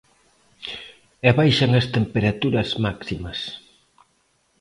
E baixan as temperaturas máximas.